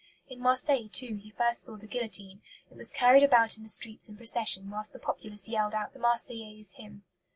In Marseilles, too, he first saw the guillotine; it was carried about the streets in procession whilst the populace yelled out the "Marseillaise Hymn."